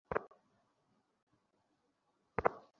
তোমার এগুলোর প্রয়োজন হবে।